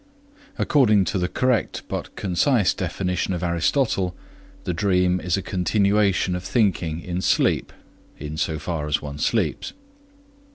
According to the correct but concise definition of Aristotle, the dream is a continuation of thinking in sleep (in so far as one sleeps).